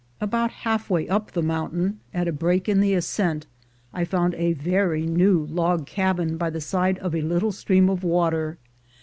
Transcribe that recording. About half way up the mountain, at a break in the ascent, I found a very new log cabin by the side of a little stream of water.